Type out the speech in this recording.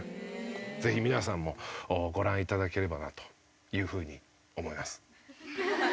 ぜひ皆さんもご覧いただければなという風に思います。